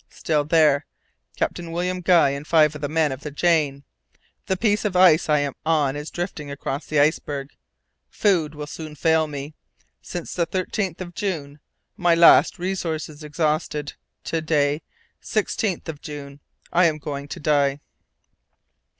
... Still there ... Captain William Guy and five of the men of the Jane the piece of ice I am on is drifting across the iceberg ... food will soon fail me. ... Since the 13th of June ... my last resources exhausted ... to day ... 16th of June ... I am going to die."